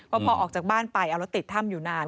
พอออกจากบ้านไปเอารถติดถ้ำอยู่นาน